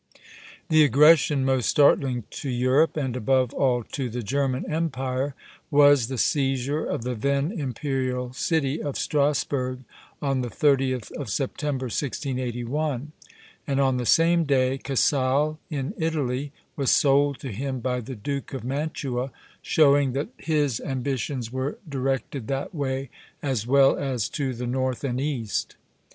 The aggression most startling to Europe, and above all to the German Empire, was the seizure of the then imperial city of Strasburg on the 30th of September, 1681; and on the same day Casale, in Italy, was sold to him by the Duke of Mantua, showing that his ambitions were directed that way as well as to the north and east.